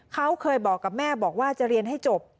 เขาเคยบอกกับแม่บอกว่าจะเรียนให้จบ